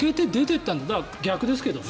逆ですけどね。